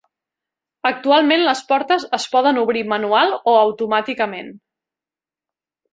Actualment les portes es poden obrir manual o automàticament.